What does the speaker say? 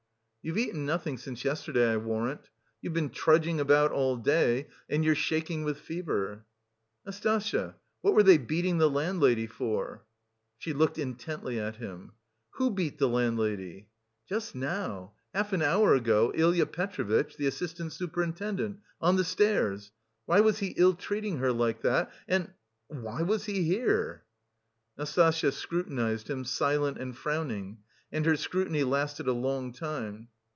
"You've eaten nothing since yesterday, I warrant. You've been trudging about all day, and you're shaking with fever." "Nastasya... what were they beating the landlady for?" She looked intently at him. "Who beat the landlady?" "Just now... half an hour ago, Ilya Petrovitch, the assistant superintendent, on the stairs.... Why was he ill treating her like that, and... why was he here?" Nastasya scrutinised him, silent and frowning, and her scrutiny lasted a long time.